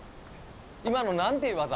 今の何ていう技？